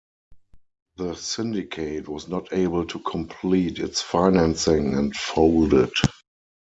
The syndicate was not able to complete its financing and folded.